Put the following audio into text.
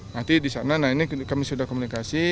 nanti di sana nah ini kami sudah komunikasi